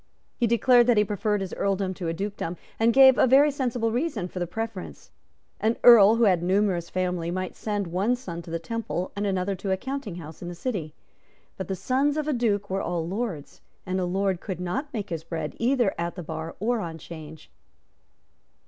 He declared that he preferred his Earldom to a Dukedom, and gave a very sensible reason for the preference. An Earl who had a numerous family might send one son to the Temple and another to a counting house in the city. But the sons of a Duke were all lords; and a lord could not make his bread either at the bar or on Change.